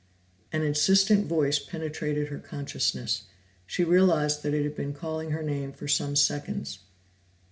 An insistent voice penetrated her consciousness; she realized that it had been calling her name for some seconds.